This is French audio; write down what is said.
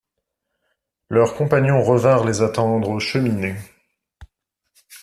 Leurs compagnons revinrent les attendre aux Cheminées